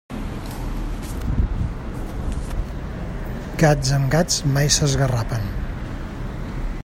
Gats amb gats mai s'esgarrapen.